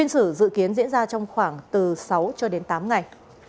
sự dự kiến diễn ra trong khoảng từ sáu cho đến tám ngày